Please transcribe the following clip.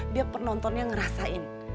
biar penontonnya ngerasain